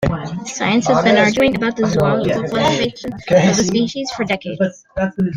Science has been arguing about the zoological classification of the species for decades.